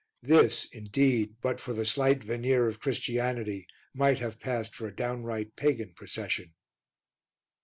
This, indeed, but for the slight veneer of Christianity, might have passed for a downright pagan procession.